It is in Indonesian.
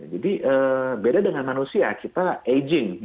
jadi beda dengan manusia kita aging